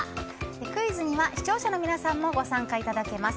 クイズには視聴者の皆さんもご参加いただけます。